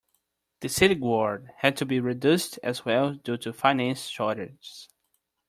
The city guard had to be reduced as well due to finance shortages.